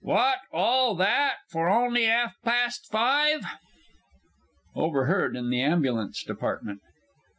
What all that for on'y 'alf past five! OVERHEARD IN THE AMBULANCE DEPARTMENT.